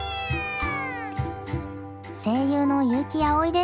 声優の悠木碧です。